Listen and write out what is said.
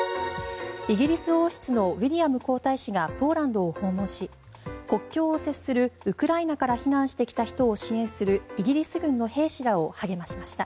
イギリス王室のウィリアム皇太子がポーランドを訪問し国境を接するウクライナから避難してきた人を支援するイギリス軍の兵士らを励ましました。